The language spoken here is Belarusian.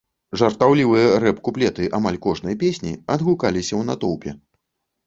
Жартаўлівыя рэп-куплеты амаль кожнай песні адгукаліся ў натоўпе.